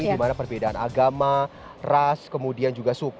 dimana perbedaan agama ras kemudian juga suku